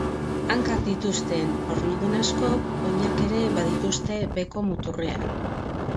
Hankak dituzten ornodun askok, oinak ere badituzte beheko muturrean.